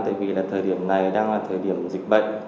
tại vì là thời điểm này đang là thời điểm dịch bệnh